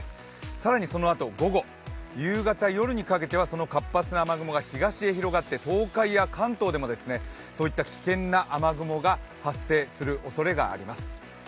更にそのあと午後、夕方、夜にかけてその活発な雨雲が東へ広がって東海や関東でもそういった危険な雨雲が発生するおそれがあります。